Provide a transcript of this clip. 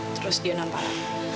terus dia nampak